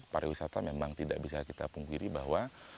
para wisata memang tidak bisa kita punggiri bahwa